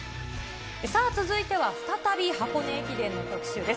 続いては再び箱根駅伝の特集です。